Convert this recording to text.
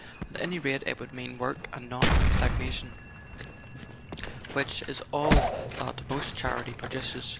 At any rate, it would mean work and not stagnation; wdiich is all that most charity produces."